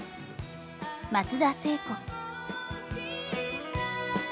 松田聖子。